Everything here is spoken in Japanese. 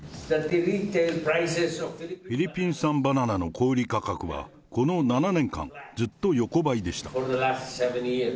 フィリピン産バナナの小売り価格は、この７年間、ずっと横ばいでした。